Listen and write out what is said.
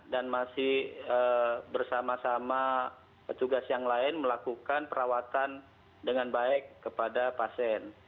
dan masih bersama sama petugas yang lain melakukan perawatan dengan baik kepada pasien